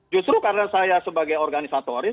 justru karena saya sebagai organisatoris